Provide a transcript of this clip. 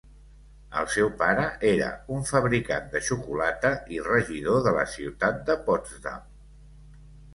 El seu pare era un fabricant de xocolata i regidor de la ciutat de Potsdam.